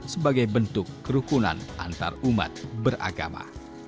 sebagai bentuk kerukunan antarumat beragama